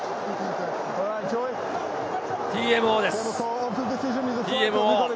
ＴＭＯです。